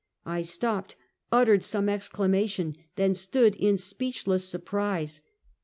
I stopped, uttered some exclamation, then stood in speechless surprise.